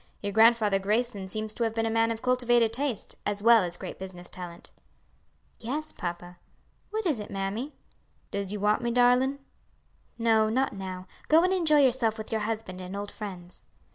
Your Grandfather Grayson seems to have been a man of cultivated taste, as well as great business talent." "Yes, papa. What is it, mammy?" "Does you want me, darlin'?" "No, not now. Go and enjoy yourself with your husband and old friends."